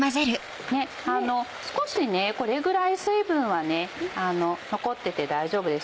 少しこれぐらい水分は残ってて大丈夫です。